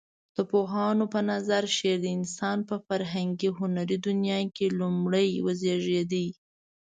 د پوهانو په نظر شعر د انسان په فرهنګي هنري دنيا کې لومړى وزيږيده.